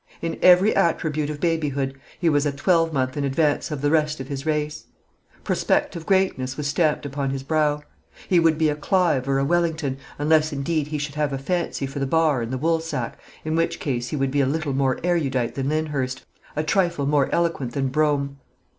In every attribute of babyhood he was a twelvemonth in advance of the rest of his race. Prospective greatness was stamped upon his brow. He would be a Clive or a Wellington, unless indeed he should have a fancy for the Bar and the Woolsack, in which case he would be a little more erudite than Lyndhurst, a trifle more eloquent than Brougham.